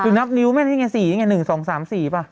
คือนับนิ้วแม่นี่ไง๔นี่ไง๑๒๓๔ป่ะ